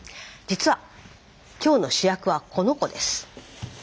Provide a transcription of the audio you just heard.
実は今日の主役はこの子です。